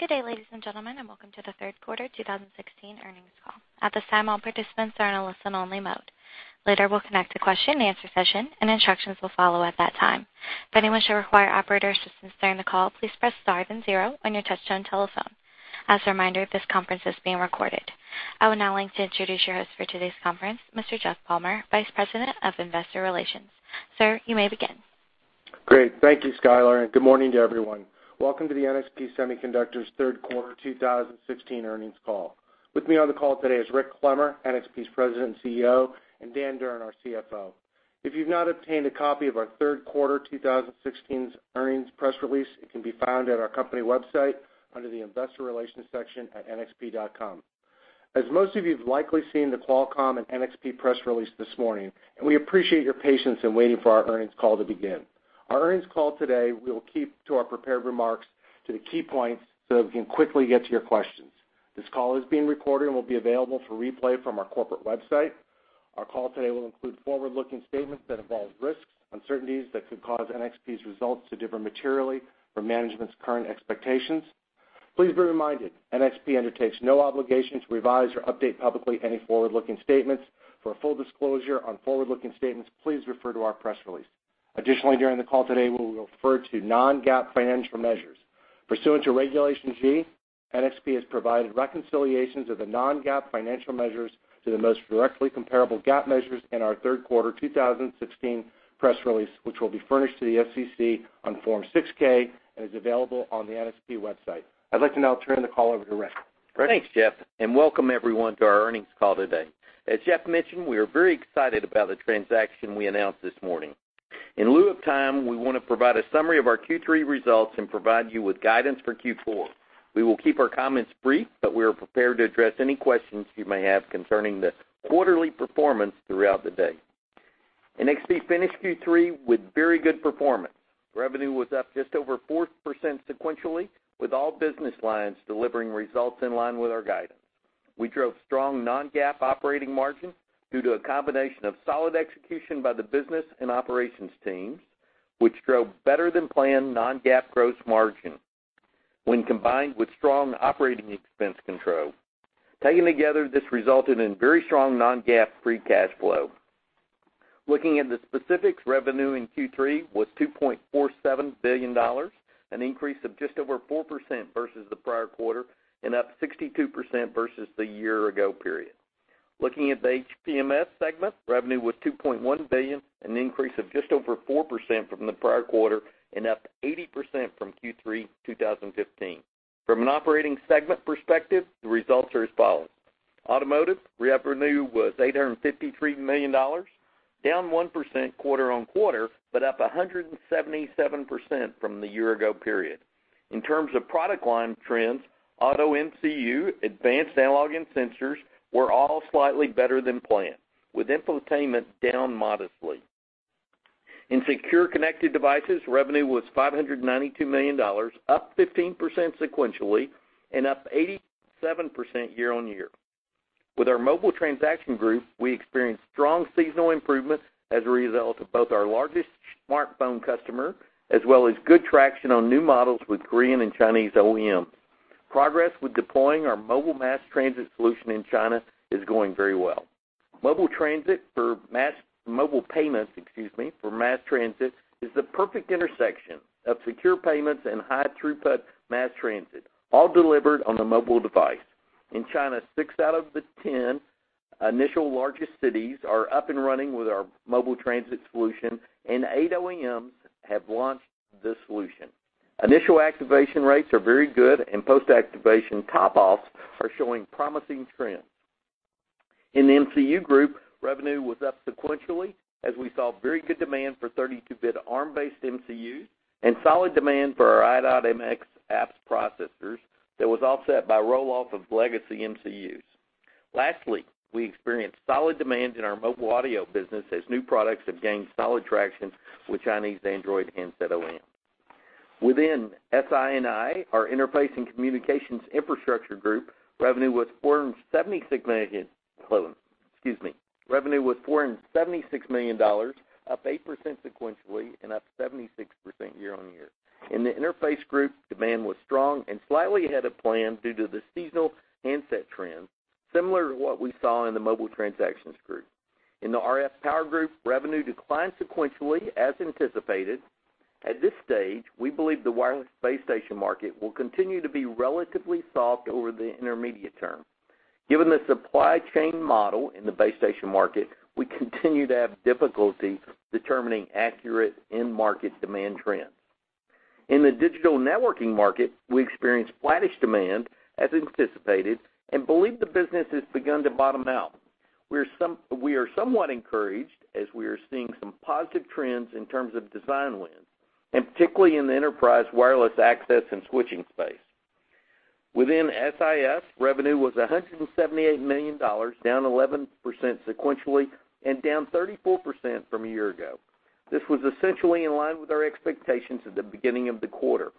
Good day, ladies and gentlemen. Welcome to the third quarter 2016 earnings call. At this time, all participants are in a listen-only mode. Later, we'll connect a question-and-answer session. Instructions will follow at that time. If anyone should require operator assistance during the call, please press star then zero on your touch-tone telephone. As a reminder, this conference is being recorded. I would now like to introduce your host for today's conference, Mr. Jeff Palmer, Vice President of Investor Relations. Sir, you may begin. Great. Thank you, Skylar. Good morning to everyone. Welcome to the NXP Semiconductors third quarter 2016 earnings call. With me on the call today is Rick Clemmer, NXP's President and CEO, and Dan Durn, our CFO. If you've not obtained a copy of our third quarter 2016 earnings press release, it can be found at our company website under the investor relations section at nxp.com. As most of you have likely seen the Qualcomm and NXP press release this morning. We appreciate your patience in waiting for our earnings call to begin. Our earnings call today, we'll keep to our prepared remarks to the key points so that we can quickly get to your questions. This call is being recorded and will be available for replay from our corporate website. Our call today will include forward-looking statements that involve risks, uncertainties that could cause NXP's results to differ materially from management's current expectations. Please be reminded, NXP undertakes no obligation to revise or update publicly any forward-looking statements. For a full disclosure on forward-looking statements, please refer to our press release. Additionally, during the call today, we will refer to non-GAAP financial measures. Pursuant to Regulation G, NXP has provided reconciliations of the non-GAAP financial measures to the most directly comparable GAAP measures in our third quarter 2016 press release, which will be furnished to the SEC on Form 6-K and is available on the NXP website. I'd like to now turn the call over to Rick. Rick? Thanks, Jeff. Welcome everyone to our earnings call today. As Jeff mentioned, we are very excited about the transaction we announced this morning. In lieu of time, we want to provide a summary of our Q3 results and provide you with guidance for Q4. We will keep our comments brief. We are prepared to address any questions you may have concerning the quarterly performance throughout the day. NXP finished Q3 with very good performance. Revenue was up just over 4% sequentially, with all business lines delivering results in line with our guidance. We drove strong non-GAAP operating margin due to a combination of solid execution by the business and operations teams, which drove better-than-planned non-GAAP gross margin when combined with strong operating expense control. Taken together, this resulted in very strong non-GAAP free cash flow. Looking at the specifics, revenue in Q3 was $2.47 billion, an increase of just over 4% versus the prior quarter and up 62% versus the year-ago period. Looking at the HPMS segment, revenue was $2.1 billion, an increase of just over 4% from the prior quarter and up 80% from Q3 2015. From an operating segment perspective, the results are as follows. Automotive, revenue was $853 million, down 1% quarter-on-quarter, but up 177% from the year-ago period. In terms of product line trends, auto MCU, advanced analog, and sensors were all slightly better than planned, with infotainment down modestly. In Secure Connected Devices, revenue was $592 million, up 15% sequentially and up 87% year-on-year. With our mobile transaction group, we experienced strong seasonal improvements as a result of both our largest smartphone customer, as well as good traction on new models with Korean and Chinese OEMs. Progress with deploying our mobile mass transit solution in China is going very well. Mobile payments for mass transit is the perfect intersection of secure payments and high-throughput mass transit, all delivered on the mobile device. In China, six out of the ten initial largest cities are up and running with our mobile transit solution, and eight OEMs have launched this solution. Initial activation rates are very good, and post-activation top-offs are showing promising trends. In the MCU group, revenue was up sequentially as we saw very good demand for 32-bit ARM-based MCUs and solid demand for our i.MX apps processors that was offset by roll-off of legacy MCUs. Lastly, we experienced solid demand in our mobile audio business as new products have gained solid traction with Chinese Android handset OEMs. Within SI&I, our interface and communications infrastructure group, revenue was $476 million, up 8% sequentially and up 76% year-on-year. In the interface group, demand was strong and slightly ahead of plan due to the seasonal handset trend, similar to what we saw in the mobile transactions group. In the RF power group, revenue declined sequentially as anticipated. At this stage, we believe the wireless base station market will continue to be relatively soft over the intermediate term. Given the supply chain model in the base station market, we continue to have difficulty determining accurate end-market demand trends. In the digital networking market, we experienced flattish demand as anticipated and believe the business has begun to bottom out. We are somewhat encouraged as we are seeing some positive trends in terms of design wins, and particularly in the enterprise wireless access and switching space. Within SIS, revenue was $178 million, down 11% sequentially and down 34% from a year-ago. This was essentially in line with our expectations at the beginning of the quarter.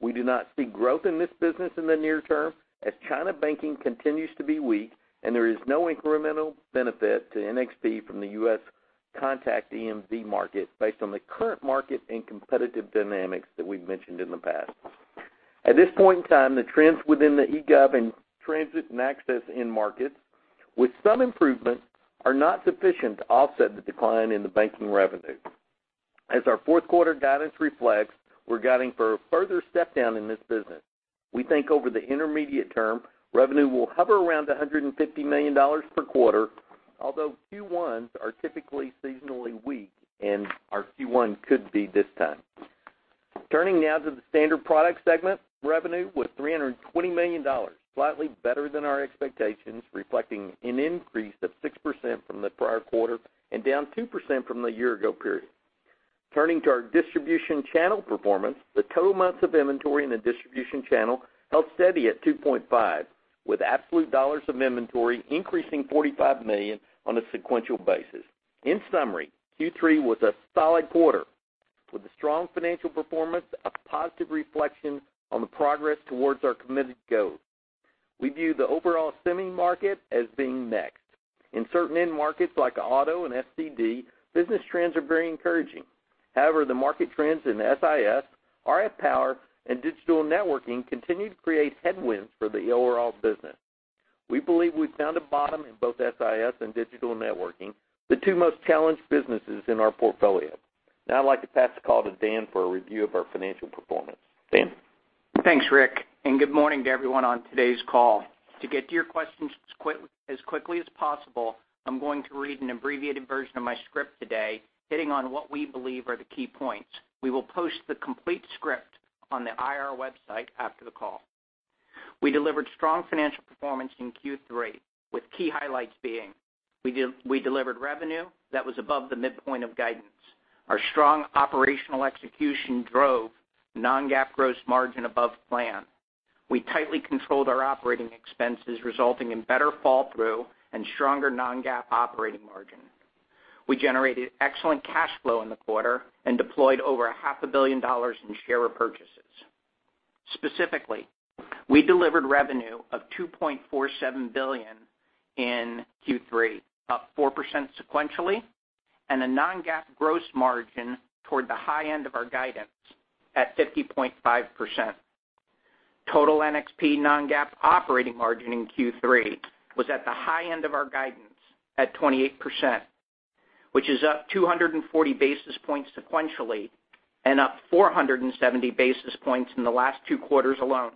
We do not see growth in this business in the near term, as China banking continues to be weak and there is no incremental benefit to NXP from the U.S. contact EMV market based on the current market and competitive dynamics that we've mentioned in the past. At this point in time, the trends within the eGov and transit and access end markets, with some improvements, are not sufficient to offset the decline in the banking revenue. As our fourth quarter guidance reflects, we're guiding for a further step-down in this business. We think over the intermediate term, revenue will hover around $150 million per quarter, although Q1s are typically seasonally weak and our Q1 could be this time. Turning now to the Standard Products segment, revenue was $320 million, slightly better than our expectations, reflecting an increase of 6% from the prior quarter and down 2% from the year ago period. Turning to our distribution channel performance, the total months of inventory in the distribution channel held steady at 2.5, with absolute dollars of inventory increasing $45 million on a sequential basis. In summary, Q3 was a solid quarter with a strong financial performance, a positive reflection on the progress towards our committed goals. We view the overall semi market as being mixed. In certain end markets like auto and SCD, business trends are very encouraging. However, the market trends in SIS, RF power, and digital networking continue to create headwinds for the overall business. We believe we've found a bottom in both SIS and digital networking, the two most challenged businesses in our portfolio. I'd like to pass the call to Dan for a review of our financial performance. Dan? Thanks, Rick, and good morning to everyone on today's call. To get to your questions as quickly as possible, I'm going to read an abbreviated version of my script today, hitting on what we believe are the key points. We will post the complete script on the IR website after the call. We delivered strong financial performance in Q3, with key highlights being we delivered revenue that was above the midpoint of guidance. Our strong operational execution drove non-GAAP gross margin above plan. We tightly controlled our operating expenses, resulting in better fall-through and stronger non-GAAP operating margin. We generated excellent cash flow in the quarter and deployed over a half a billion dollars in share repurchases. Specifically, we delivered revenue of $2.47 billion in Q3, up 4% sequentially, and a non-GAAP gross margin toward the high end of our guidance at 50.5%. Total NXP non-GAAP operating margin in Q3 was at the high end of our guidance at 28%, which is up 240 basis points sequentially and up 470 basis points in the last two quarters alone.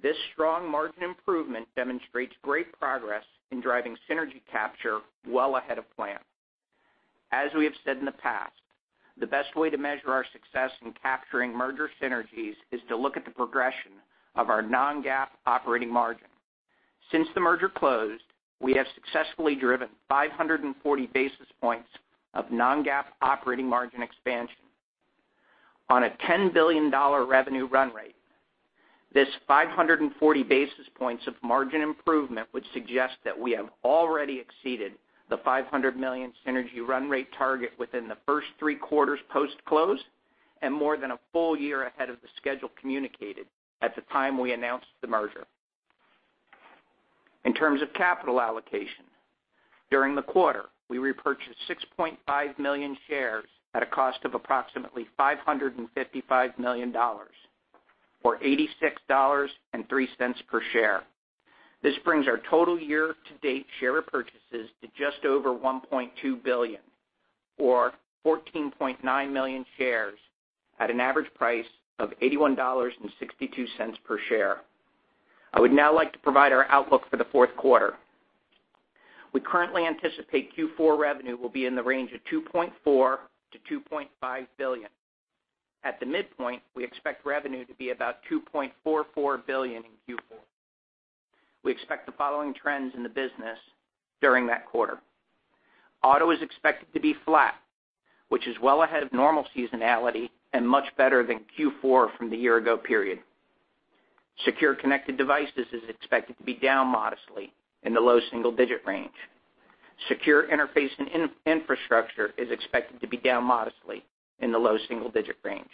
This strong margin improvement demonstrates great progress in driving synergy capture well ahead of plan. As we have said in the past, the best way to measure our success in capturing merger synergies is to look at the progression of our non-GAAP operating margin. Since the merger closed, we have successfully driven 540 basis points of non-GAAP operating margin expansion. On a $10 billion revenue run rate, this 540 basis points of margin improvement would suggest that we have already exceeded the $500 million synergy run rate target within the first three quarters post-close and more than a full year ahead of the schedule communicated at the time we announced the merger. In terms of capital allocation, during the quarter, we repurchased 6.5 million shares at a cost of approximately $555 million, or $86.03 per share. This brings our total year-to-date share repurchases to just over $1.2 billion, or 14.9 million shares at an average price of $81.62 per share. I would now like to provide our outlook for the fourth quarter. We currently anticipate Q4 revenue will be in the range of $2.4 billion-$2.5 billion. At the midpoint, we expect revenue to be about $2.44 billion in Q4. We expect the following trends in the business during that quarter. Auto is expected to be flat, which is well ahead of normal seasonality and much better than Q4 from the year-ago period. Secure Connected Devices is expected to be down modestly in the low single-digit range. Secure Interface and Infrastructure is expected to be down modestly in the low single-digit range.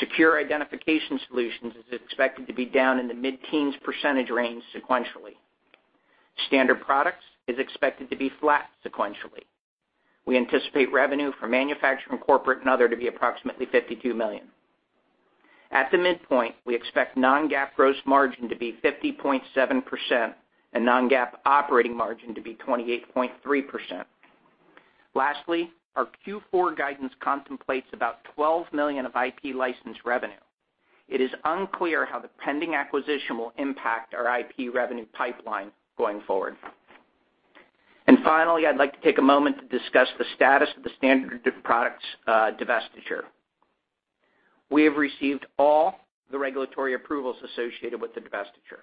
Secure Identification Solutions is expected to be down in the mid-teens percentage range sequentially. Standard Products is expected to be flat sequentially. We anticipate revenue for manufacturing, corporate, and other to be approximately $52 million. At the midpoint, we expect non-GAAP gross margin to be 50.7% and non-GAAP operating margin to be 28.3%. Lastly, our Q4 guidance contemplates about $12 million of IP licensed revenue. It is unclear how the pending acquisition will impact our IP revenue pipeline going forward. Finally, I'd like to take a moment to discuss the status of the Standard Products divestiture. We have received all the regulatory approvals associated with the divestiture.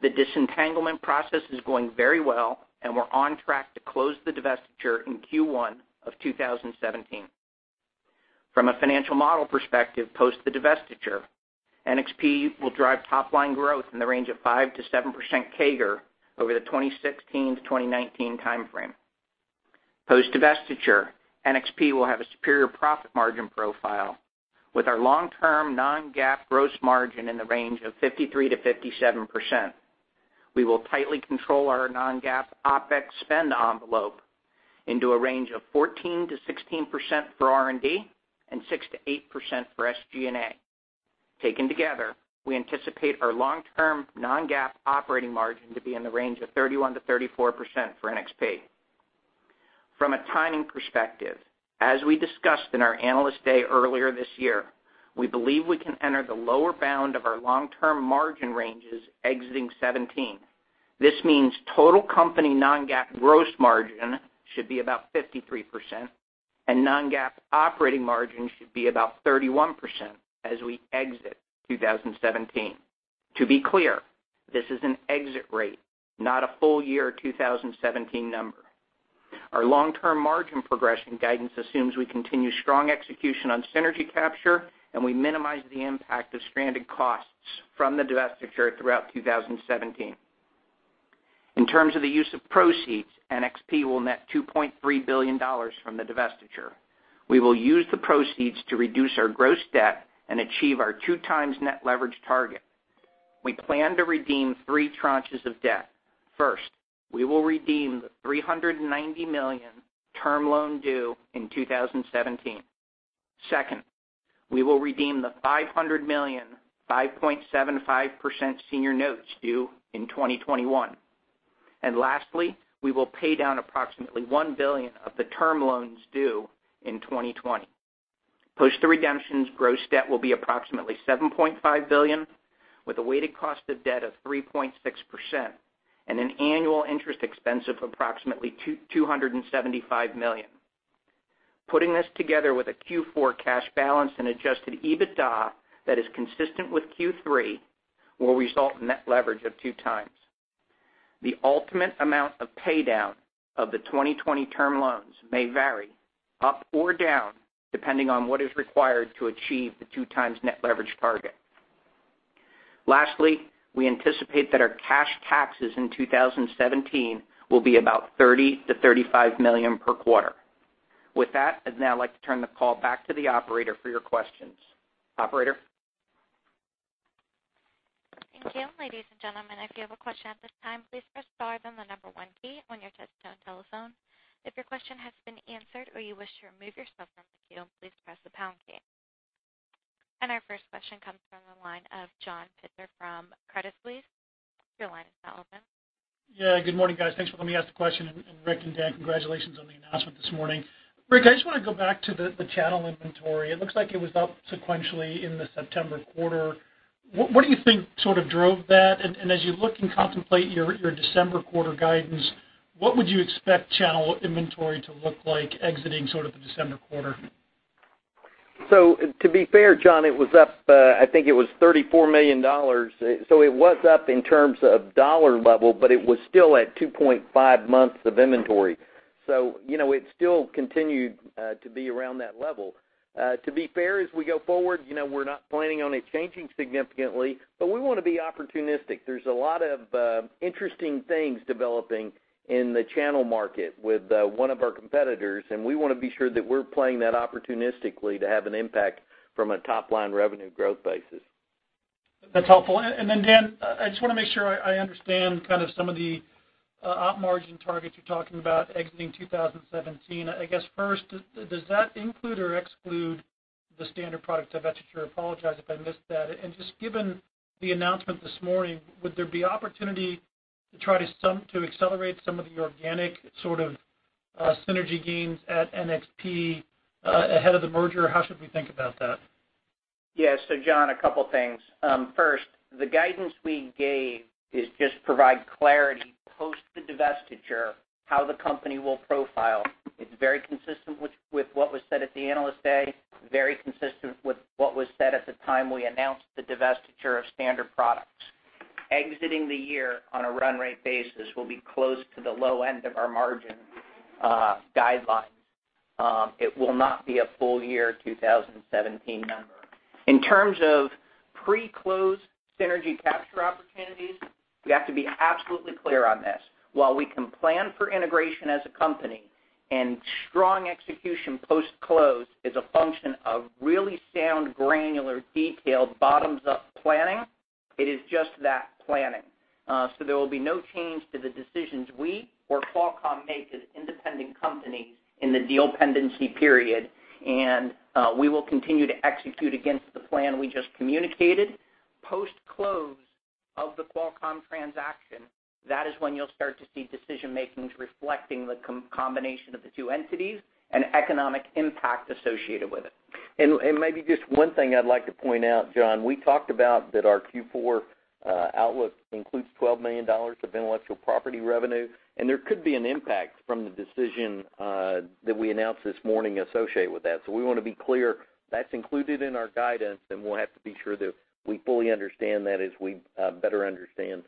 The disentanglement process is going very well, and we're on track to close the divestiture in Q1 of 2017. From a financial model perspective, post the divestiture, NXP will drive top-line growth in the range of 5%-7% CAGR over the 2016-2019 timeframe. Post divestiture, NXP will have a superior profit margin profile with our long-term non-GAAP gross margin in the range of 53%-57%. We will tightly control our non-GAAP OpEx spend envelope into a range of 14%-16% for R&D and 6%-8% for SG&A. Taken together, we anticipate our long-term non-GAAP operating margin to be in the range of 31%-34% for NXP. From a timing perspective, as we discussed in our Analyst Day earlier this year, we believe we can enter the lower bound of our long-term margin ranges exiting 2017. This means total company non-GAAP gross margin should be about 53% and non-GAAP operating margin should be about 31% as we exit 2017. To be clear, this is an exit rate, not a full year 2017 number. Our long-term margin progression guidance assumes we continue strong execution on synergy capture and we minimize the impact of stranded costs from the divestiture throughout 2017. In terms of the use of proceeds, NXP will net $2.3 billion from the divestiture. We will use the proceeds to reduce our gross debt and achieve our two times net leverage target. We plan to redeem three tranches of debt. First, we will redeem the $390 million term loan due in 2017. Second, we will redeem the $500 million, 5.75% senior notes due in 2021. Lastly, we will pay down approximately $1 billion of the term loans due in 2020. Post the redemptions, gross debt will be approximately $7.5 billion, with a weighted cost of debt of 3.6% and an annual interest expense of approximately $275 million. Putting this together with a Q4 cash balance and adjusted EBITDA that is consistent with Q3 will result in net leverage of 2 times. The ultimate amount of paydown of the 2020 term loans may vary up or down depending on what is required to achieve the 2 times net leverage target. Lastly, we anticipate that our cash taxes in 2017 will be about $30 million-$35 million per quarter. With that, I'd now like to turn the call back to the operator for your questions. Operator? Thank you. Ladies and gentlemen, if you have a question at this time, please press star then the number 1 key on your touchtone telephone. If your question has been answered or you wish to remove yourself from the queue, please press the pound key. Our first question comes from the line of John Pitzer from Credit Suisse. Your line is now open. Good morning, guys. Thanks for letting me ask the question. Rick and Dan, congratulations on the announcement this morning. Rick, I just want to go back to the channel inventory. It looks like it was up sequentially in the September quarter. What do you think drove that? As you look and contemplate your December quarter guidance, what would you expect channel inventory to look like exiting the December quarter? To be fair, John, it was up, I think it was $34 million. It was up in terms of dollar level, but it was still at 2.5 months of inventory. It still continued to be around that level. To be fair, as we go forward, we're not planning on it changing significantly, but we want to be opportunistic. There's a lot of interesting things developing in the channel market with one of our competitors, and we want to be sure that we're playing that opportunistically to have an impact from a top-line revenue growth basis. That's helpful. Dan, I just want to make sure I understand some of the op margin targets you're talking about exiting 2017. I guess first, does that include or exclude the Standard Products divestiture? Apologize if I missed that. Just given the announcement this morning, would there be opportunity to try to accelerate some of the organic synergy gains at NXP ahead of the merger? How should we think about that? Yeah. John, a couple things. First, the guidance we gave is just provide clarity post the divestiture, how the company will profile. It's very consistent with what was said at the Analyst Day, very consistent with what was said at the time we announced the divestiture of Standard Products. Exiting the year on a run rate basis will be close to the low end of our margin guidelines. It will not be a full year 2017 number. In terms of pre-close synergy capture opportunities, we have to be absolutely clear on this. While we can plan for integration as a company and strong execution post-close is a function of really sound, granular, detailed, bottoms-up planning, it is just that, planning. There will be no change to the decisions we or Qualcomm make as independent companies in the deal pendency period, we will continue to execute against the plan we just communicated. Post-close of the Qualcomm transaction, that is when you'll start to see decision-makings reflecting the combination of the two entities and economic impact associated with it. Maybe just one thing I'd like to point out, John, we talked about that our Q4 outlook includes $12 million of intellectual property revenue, there could be an impact from the decision that we announced this morning associated with that. We want to be clear that's included in our guidance, we'll have to be sure that we fully understand that as we better understand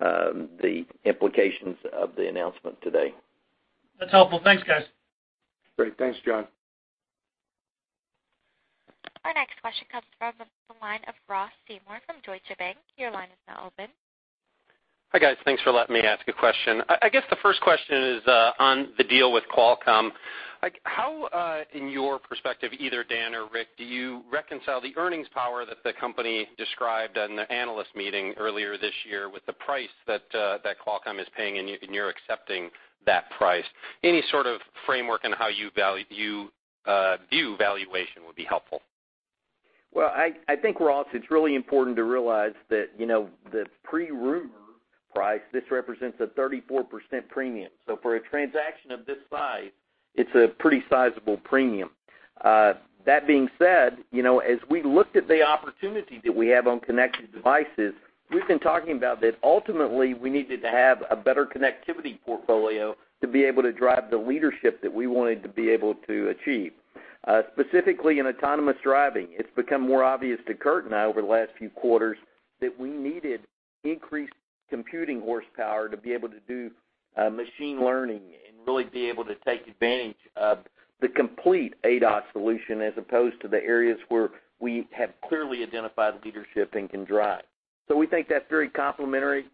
the implications of the announcement today. That's helpful. Thanks, guys. Great. Thanks, John. Next question comes from the line of Ross Seymore from Deutsche Bank. Your line is now open. Hi, guys. Thanks for letting me ask a question. I guess the first question is on the deal with Qualcomm. How, in your perspective, either Dan or Rick, do you reconcile the earnings power that the company described in the Analyst Day earlier this year with the price that Qualcomm is paying, and you're accepting that price? Any sort of framework on how you view valuation would be helpful. Well, I think, Ross, it's really important to realize that the pre-rumor price, this represents a 34% premium. For a transaction of this size, it's a pretty sizable premium. That being said, as we looked at the opportunity that we have on connected devices, we've been talking about that ultimately, we needed to have a better connectivity portfolio to be able to drive the leadership that we wanted to be able to achieve. Specifically in autonomous driving, it's become more obvious to Kurt and I over the last few quarters that we needed increased computing horsepower to be able to do machine learning and really be able to take advantage of the complete ADAS solution as opposed to the areas where we have clearly identified leadership and can drive. We think that's very complementary.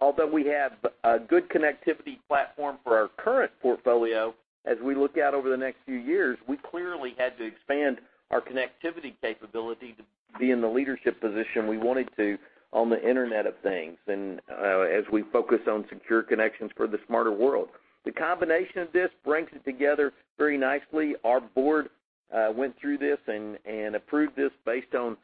Although we have a good connectivity platform for our current portfolio, as we look out over the next few years, we clearly had to expand our connectivity capability to be in the leadership position we wanted to on the Internet of Things and as we focus on secure connections for the smarter world. The combination of this brings it together very nicely. Our board went through this and approved this based on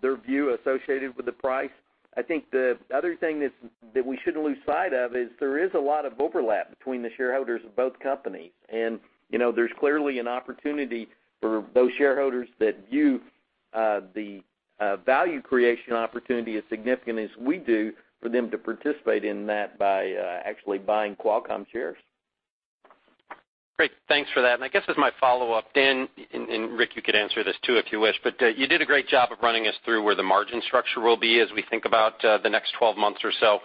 their view associated with the price. I think the other thing that we shouldn't lose sight of is there is a lot of overlap between the shareholders of both companies, and there's clearly an opportunity for those shareholders that view the value creation opportunity as significant as we do for them to participate in that by actually buying Qualcomm shares. Great. Thanks for that. I guess as my follow-up, Dan, and Rick, you could answer this too if you wish, but you did a great job of running us through where the margin structure will be as we think about the next 12 months or so.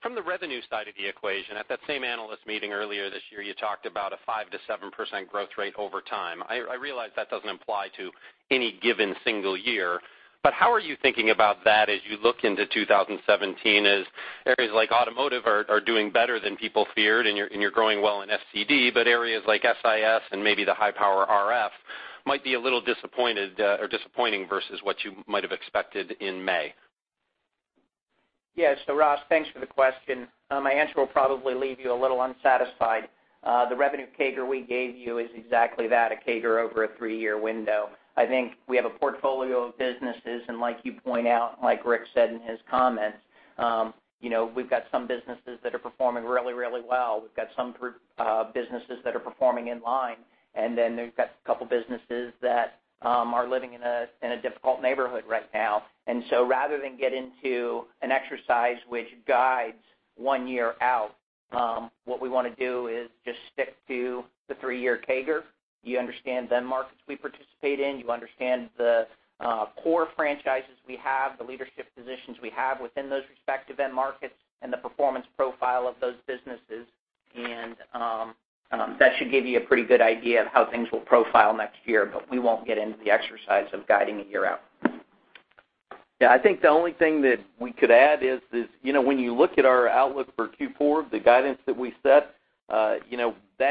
From the revenue side of the equation, at that same analyst meeting earlier this year, you talked about a 5%-7% growth rate over time. I realize that doesn't apply to any given single year, but how are you thinking about that as you look into 2017 as areas like automotive are doing better than people feared and you're growing well in SCD, but areas like SIS and maybe the high-power RF might be a little disappointing versus what you might have expected in May? Yeah. Ross, thanks for the question. My answer will probably leave you a little unsatisfied. The revenue CAGR we gave you is exactly that, a CAGR over a three-year window. I think we have a portfolio of businesses, and like you point out, like Rick said in his comments, we've got some businesses that are performing really well. We've got some businesses that are performing in line, and then we've got a couple of businesses that are living in a difficult neighborhood right now. Rather than get into an exercise which guides one year out, what we want to do is just stick to the three-year CAGR. You understand the end markets we participate in. You understand the core franchises we have, the leadership positions we have within those respective end markets, and the performance profile of those businesses. That should give you a pretty good idea of how things will profile next year, but we won't get into the exercise of guiding a year out. Yeah, I think the only thing that we could add is, when you look at our outlook for Q4, the guidance that we set, we've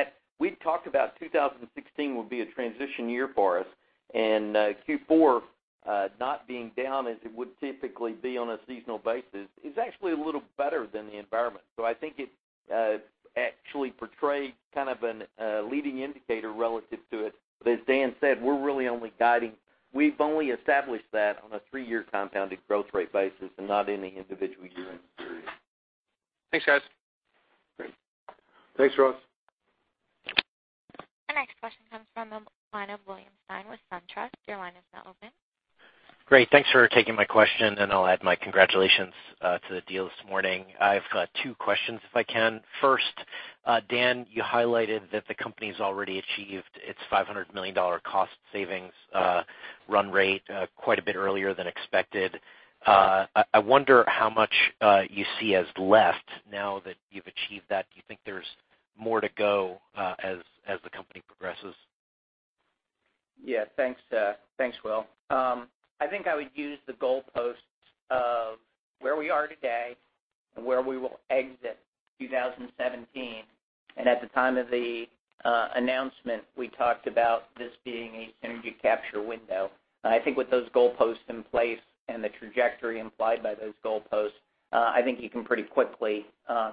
talked about 2016 will be a transition year for us, and Q4 not being down as it would typically be on a seasonal basis, is actually a little better than the environment. I think it actually portrayed a leading indicator relative to it. As Dan Durn said, we're really only guiding. We've only established that on a 3-year compounded growth rate basis and not any individual year in this period. Thanks, guys. Great. Thanks, Ross. Our next question comes from the line of William Stein with SunTrust. Your line is now open. Great. Thanks for taking my question. I'll add my congratulations to the deal this morning. I've got two questions if I can. First, Dan, you highlighted that the company's already achieved its $500 million cost savings run rate quite a bit earlier than expected. I wonder how much you see as left now that you've achieved that. Do you think there's more to go as the company progresses? Yeah. Thanks, Will. I think I would use the goalposts of where we are today and where we will exit 2017. At the time of the announcement, we talked about this being a synergy capture window. I think with those goalposts in place and the trajectory implied by those goalposts, I think you can pretty quickly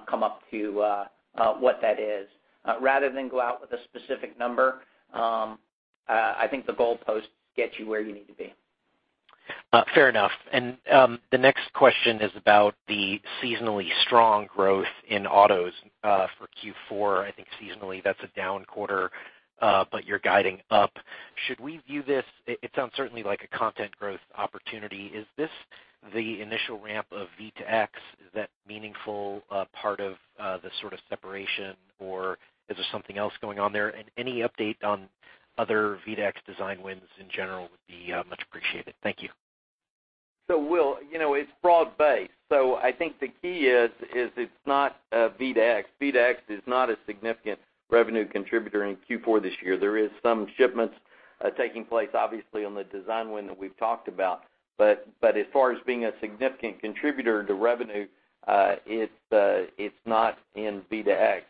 come up to what that is. Rather than go out with a specific number, I think the goalposts get you where you need to be. Fair enough. The next question is about the seasonally strong growth in autos for Q4. I think seasonally, that's a down quarter, but you're guiding up. Should we view this? It sounds certainly like a content growth opportunity. Is this the initial ramp of V2X? Is that meaningful part of the sort of separation, or is there something else going on there? Any update on other V2X design wins in general would be much appreciated. Thank you. Will, it's broad-based. I think the key is, it's not V2X. V2X is not a significant revenue contributor in Q4 this year. There is some shipments taking place, obviously, on the design win that we've talked about. As far as being a significant contributor to revenue, it's not in V2X.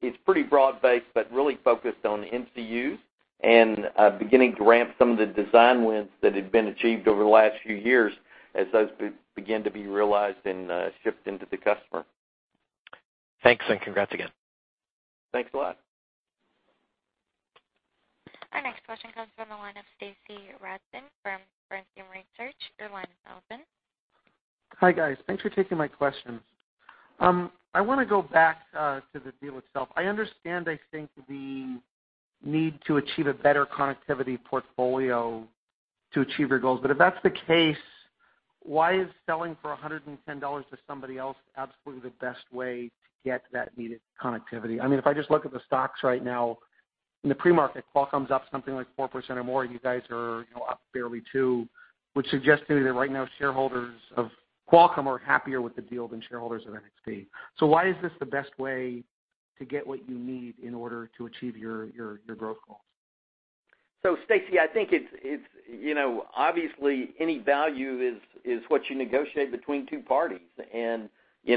It's pretty broad-based, but really focused on MCUs and beginning to ramp some of the design wins that had been achieved over the last few years as those begin to be realized and shipped into the customer. Thanks, congrats again. Thanks a lot. Our next question comes from the line of Stacy Rasgon from Bernstein Research. Your line is now open. Hi, guys. Thanks for taking my questions. I want to go back to the deal itself. I understand, I think, the need to achieve a better connectivity portfolio to achieve your goals. If that's the case, why is selling for $110 to somebody else absolutely the best way to get that needed connectivity? If I just look at the stocks right now in the pre-market, Qualcomm's up something like 4% or more, you guys are up barely two, which suggests to me that right now shareholders of Qualcomm are happier with the deal than shareholders of NXP. Why is this the best way to get what you need in order to achieve your growth goals? Stacy, I think, obviously any value is what you negotiate between two parties. We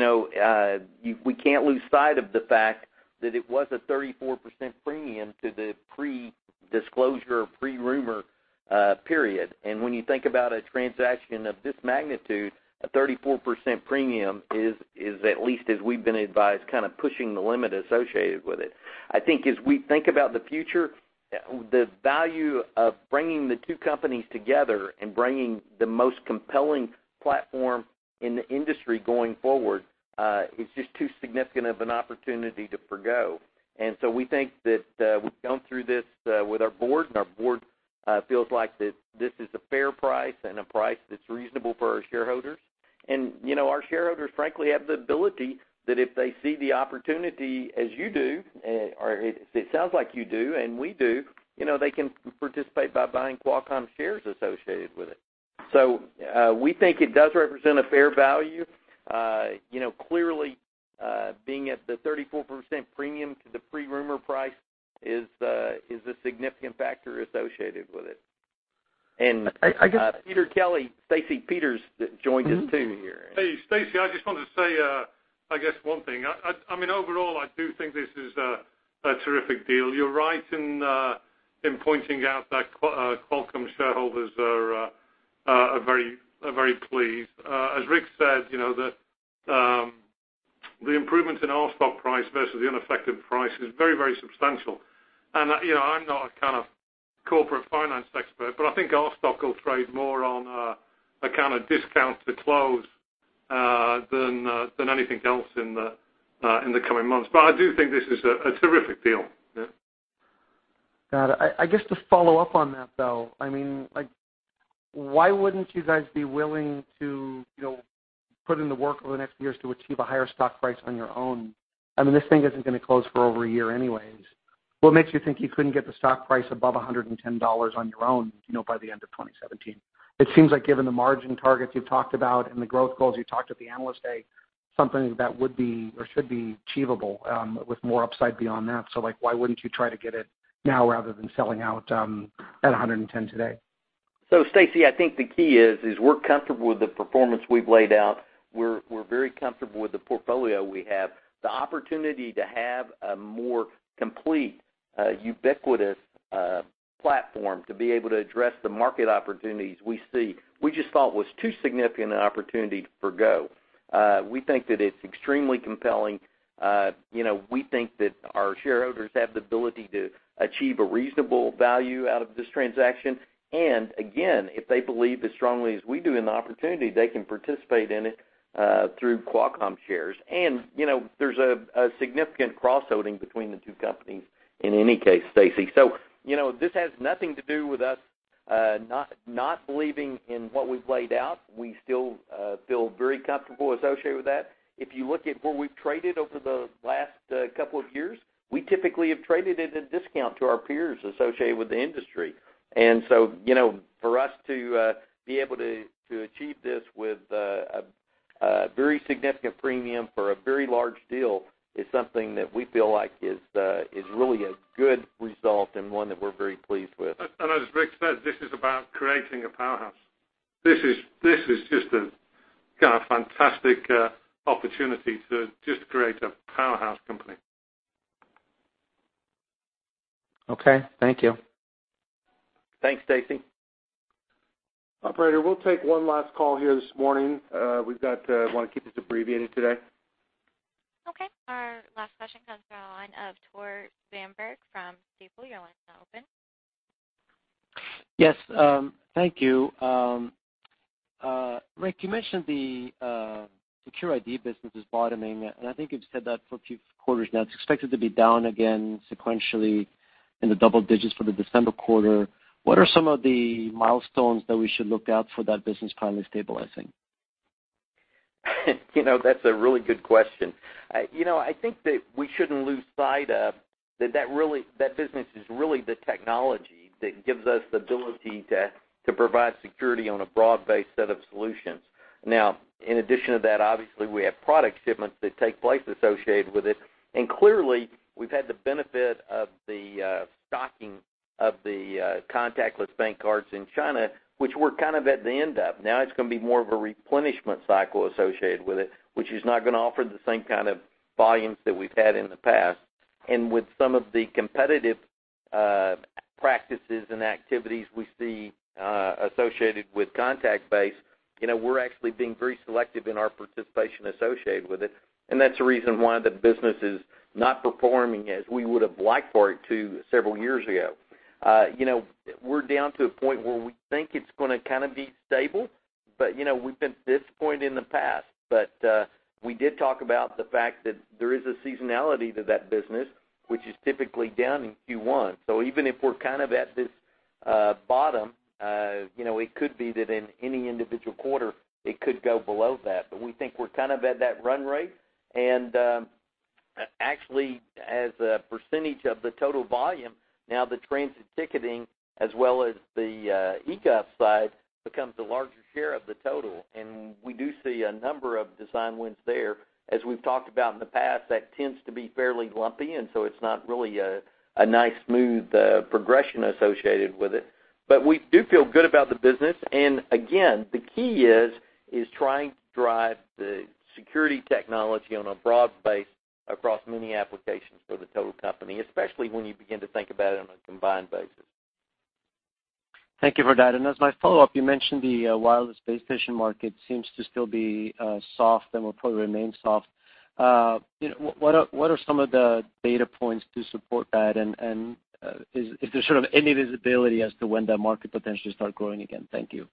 can't lose sight of the fact that it was a 34% premium to the pre-disclosure, pre-rumor period. When you think about a transaction of this magnitude, a 34% premium is at least, as we've been advised, pushing the limit associated with it. I think as we think about the future, the value of bringing the two companies together and bringing the most compelling platform in the industry going forward, is just too significant of an opportunity to forgo. We think that we've gone through this with our board, and our board feels like that this is a fair price and a price that's reasonable for our shareholders. Our shareholders, frankly, have the ability that if they see the opportunity as you do, or it sounds like you do, and we do, they can participate by buying Qualcomm shares associated with it. We think it does represent a fair value. Clearly, being at the 34% premium to the pre-rumor price is a significant factor associated with it. I guess- Peter Kelly, Stacy, Peter's joined us too here. Hey, Stacy, I just want to say, I guess, one thing. Overall, I do think this is a terrific deal. You're right in pointing out that Qualcomm shareholders are very pleased. As Rick said, the improvement in our stock price versus the unaffected price is very substantial. I'm not a corporate finance expert, but I think our stock will trade more on a discount to close than anything else in the coming months. I do think this is a terrific deal, yeah. Got it. I guess to follow up on that, though. Why wouldn't you guys be willing to put in the work over the next years to achieve a higher stock price on your own? This thing isn't going to close for over a year anyways. What makes you think you couldn't get the stock price above $110 on your own by the end of 2017? It seems like given the margin targets you've talked about and the growth goals you talked at the Analyst Day, something that would be or should be achievable, with more upside beyond that. Why wouldn't you try to get it now rather than selling out at $110 today? Stacy, I think the key is, we're comfortable with the performance we've laid out. We're very comfortable with the portfolio we have. The opportunity to have a more complete, ubiquitous platform to be able to address the market opportunities we see, we just thought was too significant an opportunity to forgo. We think that it's extremely compelling. We think that our shareholders have the ability to achieve a reasonable value out of this transaction. Again, if they believe as strongly as we do in the opportunity, they can participate in it, through Qualcomm shares. There's a significant cross-holding between the two companies in any case, Stacy. This has nothing to do with us not believing in what we've laid out. We still feel very comfortable associated with that. If you look at where we've traded over the last couple of years, we typically have traded at a discount to our peers associated with the industry. For us to be able to achieve this with a very significant premium for a very large deal is something that we feel like is really a good result and one that we're very pleased with. As Rick said, this is about creating a powerhouse. This is just a fantastic opportunity to just create a powerhouse company. Okay. Thank you. Thanks, Stacy. Operator, we will take one last call here this morning. We want to keep this abbreviated today. Okay. Our last question comes from the line of Tore Svanberg from Stifel. Your line is now open. Yes, thank you. Rick, you mentioned the Secure ID business is bottoming, and I think you've said that for a few quarters now. It's expected to be down again sequentially in the double digits for the December quarter. What are some of the milestones that we should look out for that business finally stabilizing? That's a really good question. I think that we shouldn't lose sight of that business is really the technology that gives us the ability to provide security on a broad-based set of solutions. In addition to that, obviously, we have product shipments that take place associated with it, and clearly, we've had the benefit of the stocking of the contactless bank cards in China, which we're kind of at the end of. Now it's going to be more of a replenishment cycle associated with it, which is not going to offer the same kind of volumes that we've had in the past. With some of the competitive practices and activities we see associated with contact-based, we're actually being very selective in our participation associated with it, and that's the reason why the business is not performing as we would've liked for it to several years ago. We're down to a point where we think it's going to kind of be stable, we've been at this point in the past. We did talk about the fact that there is a seasonality to that business, which is typically down in Q1. Even if we're kind of at this bottom, it could be that in any individual quarter, it could go below that. We think we're kind of at that run rate, actually, as a percentage of the total volume, now the transit ticketing, as well as the e-gov side, becomes a larger share of the total, and we do see a number of design wins there. As we've talked about in the past, that tends to be fairly lumpy, it's not really a nice, smooth progression associated with it. We do feel good about the business, and again, the key is trying to drive the security technology on a broad base across many applications for the total company, especially when you begin to think about it on a combined basis. Thank you for that. As my follow-up, you mentioned the wireless base station market seems to still be soft and will probably remain soft. What are some of the data points to support that, and is there sort of any visibility as to when that market potentially start growing again? Thank you.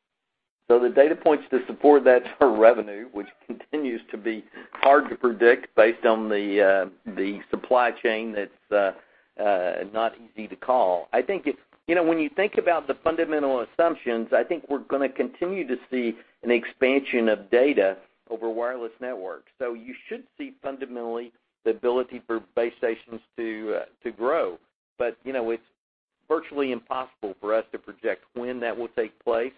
The data points to support that are revenue, which continues to be hard to predict based on the supply chain that's not easy to call. When you think about the fundamental assumptions, I think we're going to continue to see an expansion of data over wireless networks. You should see fundamentally the ability for base stations to grow. It's virtually impossible for us to project when that will take place.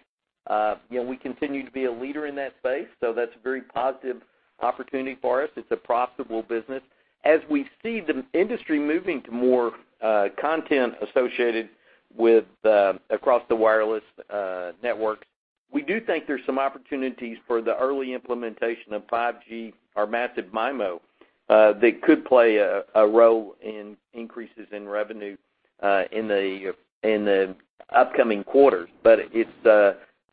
We continue to be a leader in that space, so that's a very positive opportunity for us. It's a profitable business. As we see the industry moving to more content associated across the wireless networks, we do think there's some opportunities for the early implementation of 5G or massive MIMO that could play a role in increases in revenue in the upcoming quarters.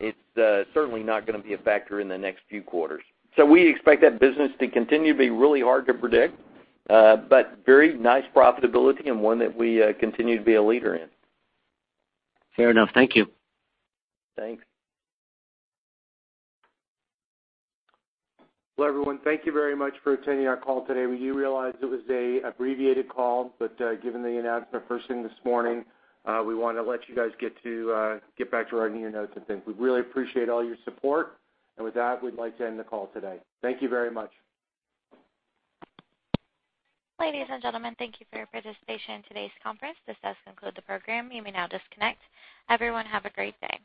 It's certainly not going to be a factor in the next few quarters. We expect that business to continue to be really hard to predict, but very nice profitability and one that we continue to be a leader in. Fair enough. Thank you. Thanks. Well, everyone, thank you very much for attending our call today. We do realize it was a abbreviated call, but given the announcement first thing this morning, we wanted to let you guys get back to writing your notes and things. We really appreciate all your support. With that, we'd like to end the call today. Thank you very much. Ladies and gentlemen, thank you for your participation in today's conference. This does conclude the program. You may now disconnect. Everyone, have a great day.